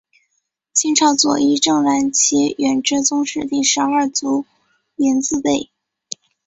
清朝左翼正蓝旗远支宗室第十二族绵字辈。